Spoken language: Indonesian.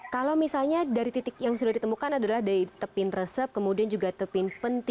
kalau misalnya dari titik yang sudah ditemukan adalah dari tepin resep kemudian juga tepin penti